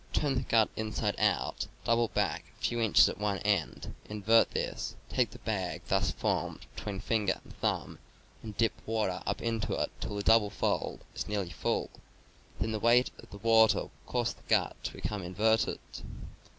To turn the gut inside out, double back a few inches of one end, invert this, take the bag thus formed between finger and thumb and dip water up into it till the double fold is nearly full, when the weight of the water will cause the gut to become inverted.